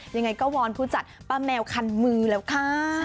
ยังไงก็วอนผู้จัดป้าแมวคันมือแล้วค่ะ